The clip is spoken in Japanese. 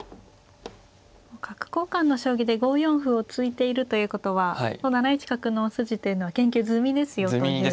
角交換の将棋で５四歩を突いているということは７一角の筋っていうのは研究済みですよという。